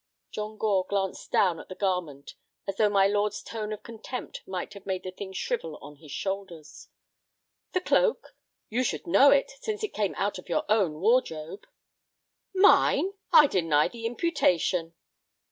John Gore glanced down at the garment as though my lord's tone of contempt might have made the thing shrivel on his shoulders. "The cloak? You should know it, since it came out of your own wardrobe!" "Mine! I deny the imputation."